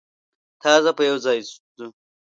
تاسو به یوځای ځو.